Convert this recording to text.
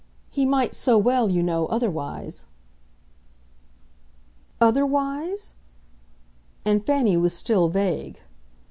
He might so well, you know, otherwise." "'Otherwise'?" and Fanny was still vague.